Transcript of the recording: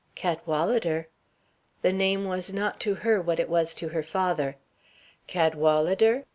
"Cadwalader?" The name was not to her what it was to her father. "Cadwalader?